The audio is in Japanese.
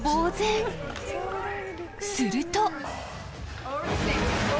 ［すると］